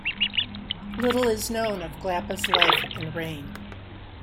Little is known of Glappa's life and reign.